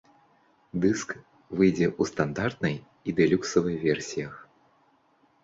Дыск выйдзе ў стандартнай і дэлюксавай версіях.